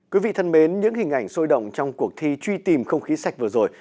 quý vị thân mến những hình ảnh sôi động trong cuộc thi truy tìm không khí sạch vừa rồi